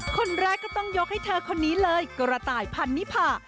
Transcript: คนแรกก็ต้องยกให้เธอคนนี้เลยกระต่ายพันนิพา